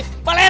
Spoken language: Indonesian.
ini biar pas